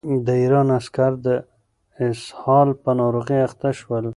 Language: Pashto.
د ایران عسکر د اسهال په ناروغۍ اخته شول.